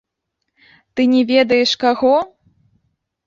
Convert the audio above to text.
Ты не ведаеш каго?